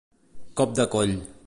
Cop de coll.